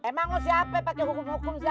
emang lo siapa yang pake hukum hukum jalan